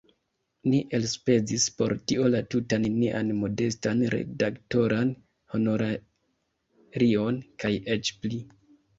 Ni elspezis por tio la tutan nian modestan redaktoran honorarion kaj eĉ pli.